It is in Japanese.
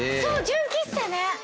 純喫茶ね。